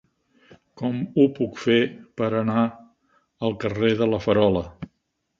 Com ho puc fer per anar al carrer de La Farola?